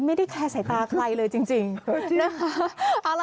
ไม่ได้แคร์สายตาใครเลยจริงนะคะ